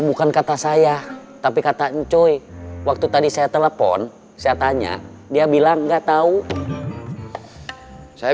bukan kata saya tapi kata encoy waktu tadi saya telepon saya tanya dia bilang enggak tahu saya